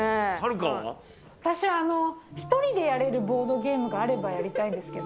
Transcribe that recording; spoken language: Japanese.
私は１人でやれるボードゲームがあれば、やりたいんですけど。